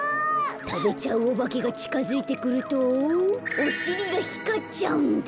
たべちゃうおばけがちかづいてくるとおしりがひかっちゃうんだ。